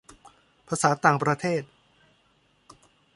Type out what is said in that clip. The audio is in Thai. ภาษาต่างประเทศ